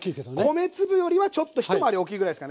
米粒よりはちょっと一回り大きいぐらいですかね。